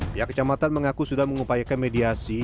pihak kecamatan mengaku sudah mengupayakan mediasi